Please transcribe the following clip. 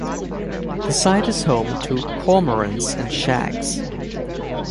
The site is home to cormorants and shags.